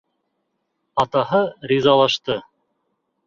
Атаһы ризалашты.